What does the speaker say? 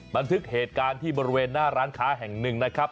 บันทึกเหตุการณ์ที่บริเวณหน้าร้านค้าแห่งหนึ่งนะครับ